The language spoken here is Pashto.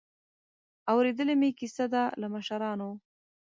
اورېدلې مې کیسه ده له مشرانو.